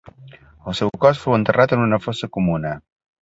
El seu cos fou enterrat en una fossa comuna.